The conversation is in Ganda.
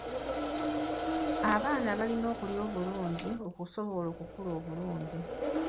Abaana balina okulya obulungi okusobola okukula obulungi.